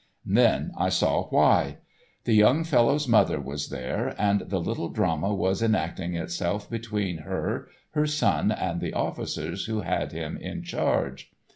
Then I saw why. The young fellow's mother was there, and the Little Drama was enacting itself between her, her son, and the officers who had him in charge.